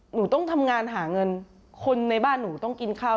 หนูต้องทำงานหาเงินคนในบ้านหนูต้องกินข้าว